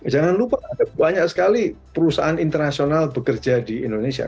jangan lupa ada banyak sekali perusahaan internasional bekerja di indonesia